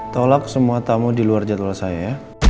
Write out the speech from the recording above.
tolak semua tamu di luar jadwal saya